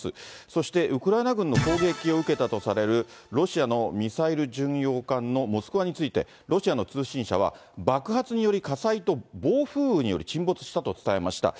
そしてウクライナ軍の攻撃を受けたとされるロシアのミサイル巡洋艦のモスクワについて、ロシアの通信社は、爆発による火災と暴風雨により沈没したと発表しました。